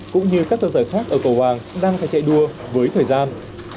cũng như các cơ sở khác ở cổ hoàng đang phải chạy đua với thời gian